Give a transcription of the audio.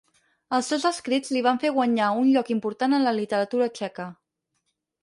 Els seus escrits li van fer guanyar un lloc important en la literatura txeca.